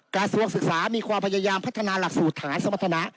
กระทรวงศึกษามีความพยายามพัฒนาหลักสูตรฐานสมรรถนะ